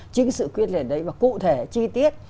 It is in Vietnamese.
chính sự quyết liệt đấy và cụ thể chi tiết